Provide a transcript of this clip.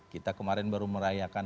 kita kemarin baru merayakan